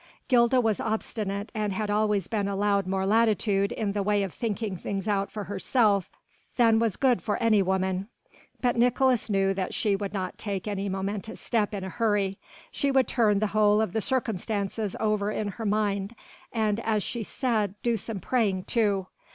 Gilda was obstinate and had always been allowed more latitude in the way of thinking things out for herself than was good for any woman; but Nicolaes knew that she would not take any momentous step in a hurry. She would turn the whole of the circumstances over in her mind and as she said do some praying too.